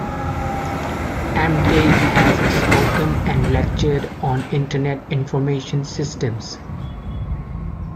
Emtage has spoken and lectured on Internet Information Systems.